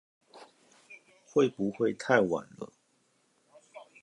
會不會太晚了？